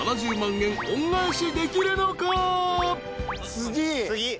次。